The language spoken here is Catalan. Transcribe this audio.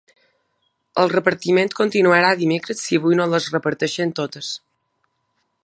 El repartiment continuarà dimecres si avui no les reparteixen totes.